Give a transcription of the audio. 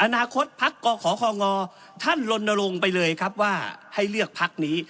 อนาคตพักกขคงท่านลนลงไปเลยครับว่าให้เลือกพักนี้